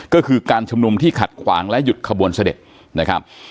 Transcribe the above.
ก็คือการชุมนุมที่ขัดขวางและหยุดขบวนเสด็จนะครับ